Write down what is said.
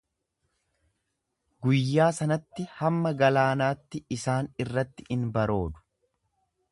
Guyyaa sanatti hamma galaanaatti isaan irratti in baroodu.